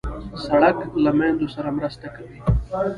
سړک له میندو سره مرسته کوي.